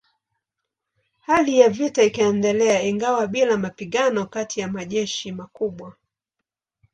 Hali ya vita ikaendelea ingawa bila mapigano kati ya majeshi makubwa.